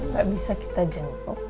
gak bisa kita jenguk